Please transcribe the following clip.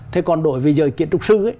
thế còn đổi về giới kiện trục sư